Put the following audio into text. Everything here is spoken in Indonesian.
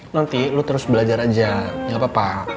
nanti lu terus belajar aja gapapa